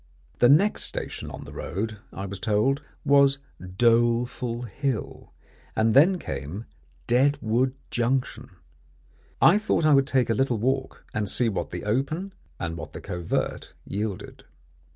The next station on the road, I was told, was Doleful Hill, and then came Deadwood Junction. I thought I would take a little walk, and see what the open and what the covert yielded.